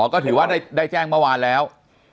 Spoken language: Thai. ก็ถือว่าได้แจ้งเมื่อวานแล้ว